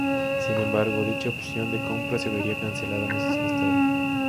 Sin embargo, dicha opción de compra se vería cancelada meses más tarde.